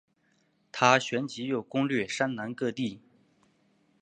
但旋即又攻掠山南各地。